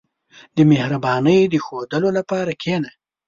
• د مهربانۍ د ښوودلو لپاره کښېنه.